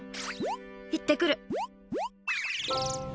行ってくる。